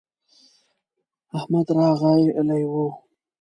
احمد راغلی و.